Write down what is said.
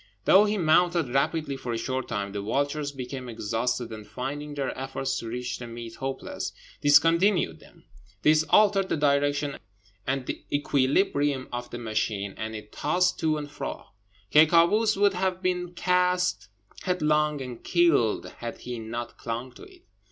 Though he mounted rapidly for a short time, the vultures became exhausted, and finding their efforts to reach the meat hopeless, discontinued them; this altered the direction and equilibrium of the machine, and it tossed to and fro. Ky Kâoos would have been cast headlong and killed had he not clung to it.